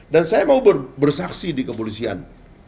dan saya mau bersaksi di kepolisian